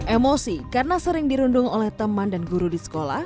emosi karena sering dirundung oleh teman dan guru di sekolah